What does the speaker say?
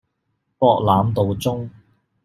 博覽道中